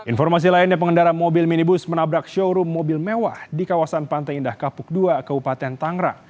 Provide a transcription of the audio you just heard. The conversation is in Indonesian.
informasi lainnya pengendara mobil minibus menabrak showroom mobil mewah di kawasan pantai indah kapuk ii kabupaten tangerang